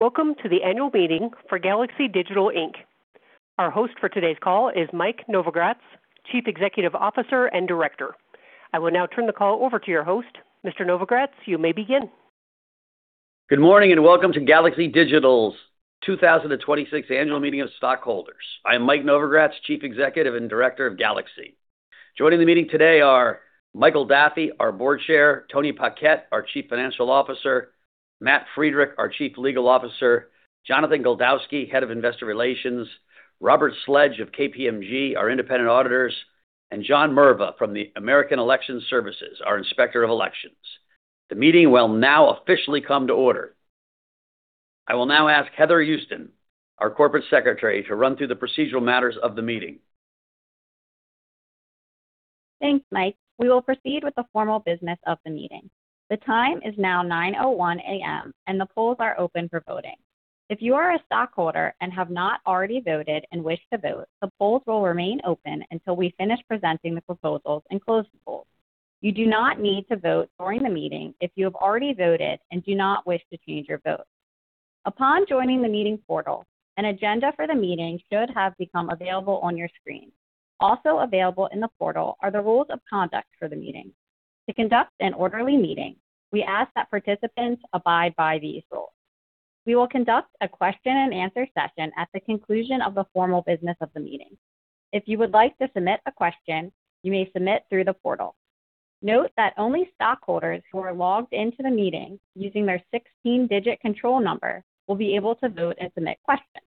Welcome to the annual meeting for Galaxy Digital, Inc. Our host for today's call is Mike Novogratz, Chief Executive Officer and Director. I will now turn the call over to your host. Mr. Novogratz, you may begin. Good morning, welcome to Galaxy Digital's 2026 annual meeting of stockholders. I am Mike Novogratz, Chief Executive and Director of Galaxy. Joining the meeting today are Michael Daffey, our Board Chair, Tony Paquette, our Chief Financial Officer, Matt Friedrich, our Chief Legal Officer, Jonathan Goldowsky, Head of Investor Relations, Robert Sledge of KPMG, our independent auditors, and John Merva from the American Election Services, our Inspector of Elections. The meeting will now officially come to order. I will now ask Heather Houston, our Corporate Secretary, to run through the procedural matters of the meeting. Thanks, Mike. We will proceed with the formal business of the meeting. The time is now 9:01 A.M., and the polls are open for voting. If you are a stockholder and have not already voted and wish to vote, the polls will remain open until we finish presenting the proposals and close the polls. You do not need to vote during the meeting if you have already voted and do not wish to change your vote. Upon joining the meeting portal, an agenda for the meeting should have become available on your screen. Also available in the portal are the rules of conduct for the meeting. To conduct an orderly meeting, we ask that participants abide by these rules. We will conduct a question-and-answer session at the conclusion of the formal business of the meeting. If you would like to submit a question, you may submit through the portal. Note that only stockholders who are logged in to the meeting using their 16-digit control number will be able to vote and submit questions.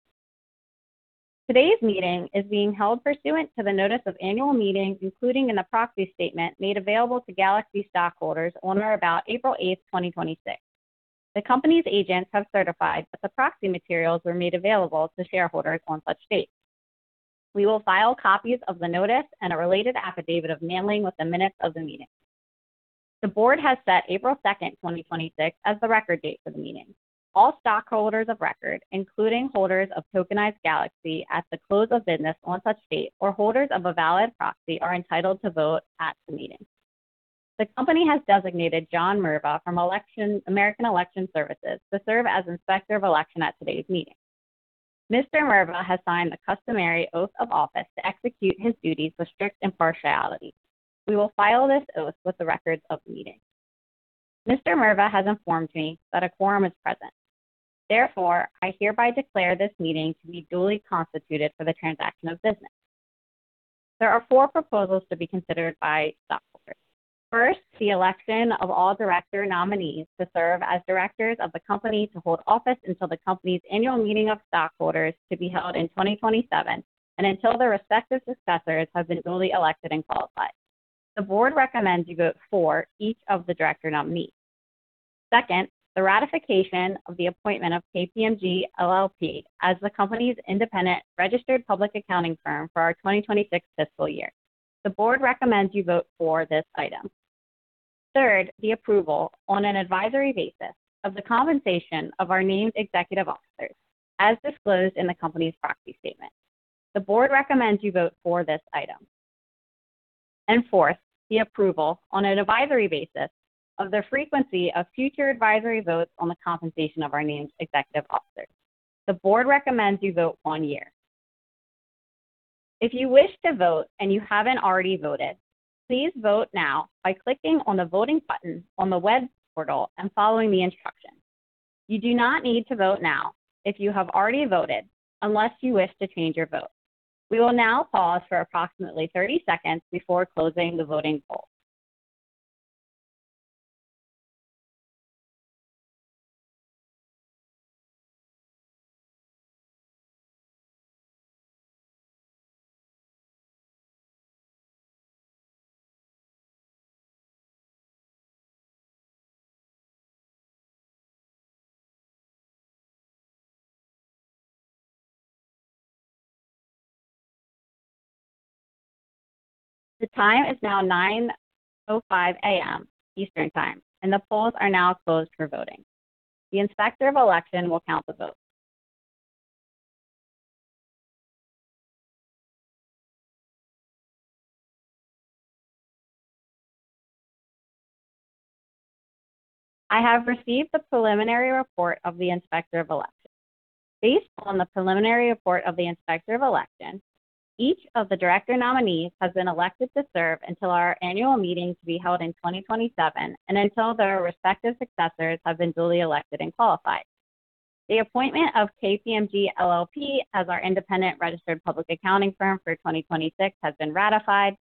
Today's meeting is being held pursuant to the notice of annual meeting, including in the proxy statement made available to Galaxy stockholders on or about April 8th, 2026. The company's agents have certified that the proxy materials were made available to shareholders on such date. We will file copies of the notice and a related affidavit of mailing with the minutes of the meeting. The board has set April 2nd, 2026, as the record date for the meeting. All stockholders of record, including holders of Tokenized Galaxy at the close of business on such date or holders of a valid proxy, are entitled to vote at the meeting. The company has designated John Merva from American Election Services to serve as Inspector of Election at today's meeting. Mr. Merva has signed the customary oath of office to execute his duties with strict impartiality. We will file this oath with the records of the meeting. Mr. Merva has informed me that a quorum is present. Therefore, I hereby declare this meeting to be duly constituted for the transaction of business. There are four proposals to be considered by stockholders. First, the election of all director nominees to serve as directors of the company to hold office until the company's annual meeting of stockholders to be held in 2027 and until their respective successors have been duly elected and qualified. The board recommends you vote for each of the director nominees. Second, the ratification of the appointment of KPMG LLP as the company's independent registered public accounting firm for our 2026 fiscal year. The board recommends you vote for this item. Third, the approval on an advisory basis of the compensation of our named executive officers as disclosed in the company's proxy statement. The board recommends you vote for this item. Fourth, the approval on an advisory basis of the frequency of future advisory votes on the compensation of our named executive officers. The board recommends you vote one year. If you wish to vote and you haven't already voted, please vote now by clicking on the voting button on the web portal and following the instructions. You do not need to vote now if you have already voted, unless you wish to change your vote. We will now pause for approximately 30 seconds before closing the voting poll. The time is now 9:05 A.M. Eastern Time, and the polls are now closed for voting. The Inspector of Election will count the votes. I have received the preliminary report of the Inspector of Election. Based on the preliminary report of the Inspector of Election, each of the director nominees has been elected to serve until our annual meeting to be held in 2027 and until their respective successors have been duly elected and qualified. The appointment of KPMG LLP as our independent registered public accounting firm for 2026 has been ratified.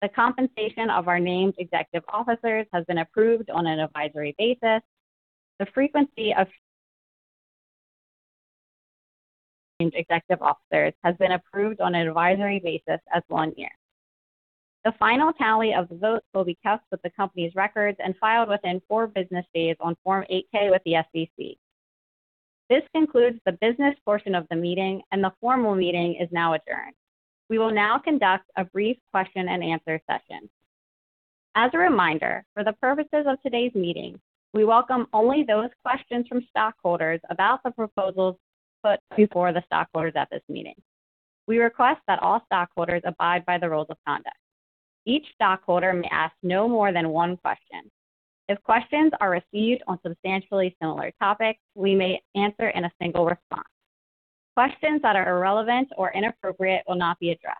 The compensation of our named executive officers has been approved on an advisory basis. The frequency of executive officers has been approved on an advisory basis as one year. The final tally of the votes will be kept with the company's records and filed within four business days on Form 8-K with the SEC. This concludes the business portion of the meeting, and the formal meeting is now adjourned. We will now conduct a brief question and answer session. As a reminder, for the purposes of today's meeting, we welcome only those questions from stockholders about the proposals put before the stockholders at this meeting. We request that all stockholders abide by the rules of conduct. Each stockholder may ask no more than one question. If questions are received on substantially similar topics, we may answer in a single response. Questions that are irrelevant or inappropriate will not be addressed.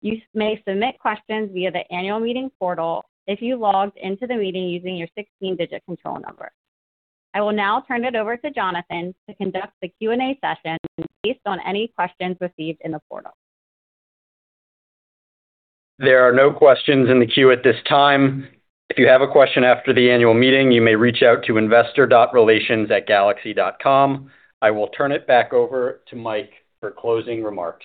You may submit questions via the annual meeting portal if you logged into the meeting using your 16-digit control number. I will now turn it over to Jonathan to conduct the Q&A session based on any questions received in the portal. There are no questions in the queue at this time. If you have a question after the annual meeting, you may reach out to investor.relations@galaxy.com. I will turn it back over to Mike for closing remarks.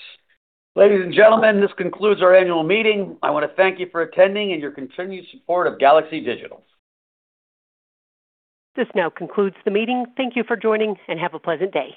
Ladies and gentlemen, this concludes our annual meeting. I want to thank you for attending and your continued support of Galaxy Digital. This now concludes the meeting. Thank you for joining, and have a pleasant day.